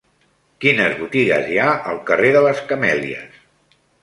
Quines botigues hi ha al carrer de les Camèlies?